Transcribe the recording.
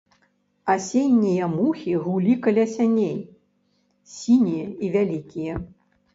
Асеннія мухі гулі каля сяней, сінія і вялікія.